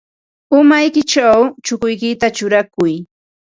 Umaykićhaw chukuykita churaykuy.